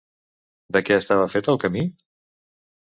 De què estava fet el camí?